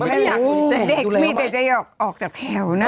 เด็กไม่ได้ออกจากแผ่วนะ